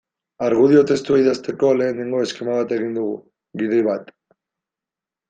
Argudio testua idazteko lehenengo eskema bat egin dugu, gidoi bat.